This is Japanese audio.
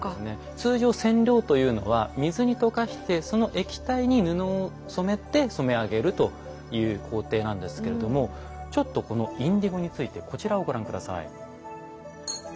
通常染料というのは水に溶かしてその液体に布を染めて染め上げるという工程なんですけれどもちょっとこのインディゴについてこちらをご覧下さい。